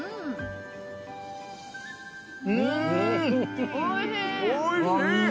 んおいしい！